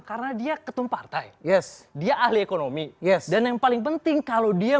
ke hartarto karena dia ketumpah yes dia ahli ekonomi yes dan yang paling penting kalau dia